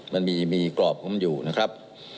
มันมีกรอบของมันอยู่นะครับ